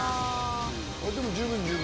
でも十分十分！